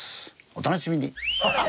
お楽しみに。